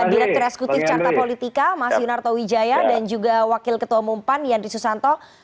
direktur eksekutif carta politika mas yunarto wijaya dan juga wakil ketua umum pan yandri susanto